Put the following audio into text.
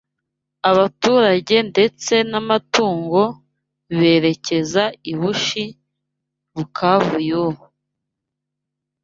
abaturage ndetse n’amatungo, berekeza I Bushi (Bukavu y’ubu )